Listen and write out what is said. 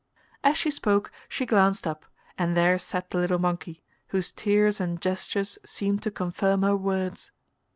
As she spoke she glanced up, and there sat the little monkey, whose tears and gestures seemed to confirm her words.